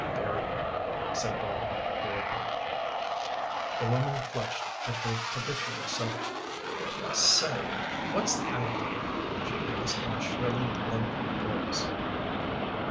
" Bury him," said Bolin, gravely. The woman clutched at her habitual self. 11 S a a y, what's the idea? " she asked in a shrilly lengthened voice.